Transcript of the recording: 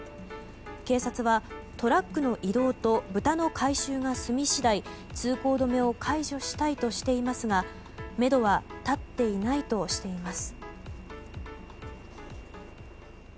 警察はトラックの移動とブタの回収が済み次第通行止めを解除したいとしていますがめどは立っていないとしています。